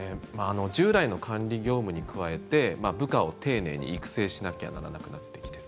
従来の管理業務に加えて部下を丁寧に育成しなくてはいけなくなってきている。